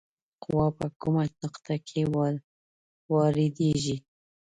قوه په کومه نقطه کې واردیږي؟